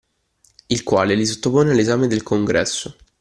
Il quale li sottopone all'esame del Congresso.